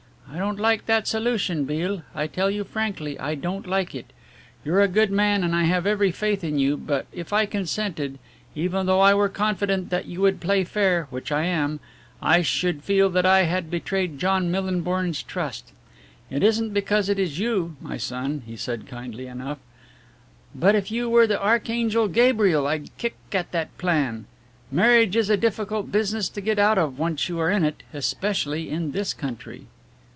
"I don't like that solution, Beale I tell you frankly, I don't like it. You're a good man and I have every faith in you, but if I consented, even though I were confident that you would play fair, which I am, I should feel that I had betrayed John Millinborn's trust. It isn't because it is you, my son," he said kindly enough, "but if you were the Archangel Gabriel I'd kick at that plan. Marriage is a difficult business to get out of once you are in it, especially in this country."